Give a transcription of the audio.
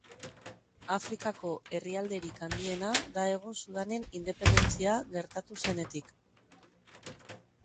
Afrikako herrialderik handiena da Hego Sudanen independentzia gertatu zenetik.